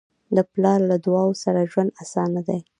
د پلار له دعاؤ سره ژوند اسانه دی.